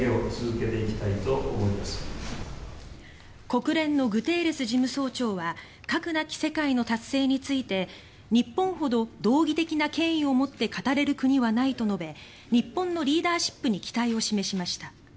国連のグテーレス事務総長は核なき世界の達成について日本ほど道義的な権威を持って語れる国はないと述べ日本のリーダーシップに期待を示しました。